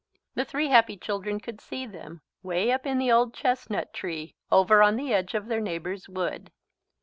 The three happy children could see them way up in the old chestnut tree over on the edge of their neighbour's wood.